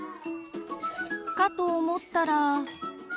かと思ったら。